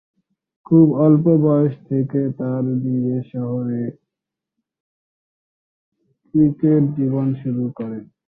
তিনি খুবই অল্প বয়স থেকে তার নিজের শহরে ক্রিকেট জীবন শুরু করেন।